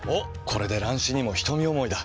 これで乱視にも瞳思いだ。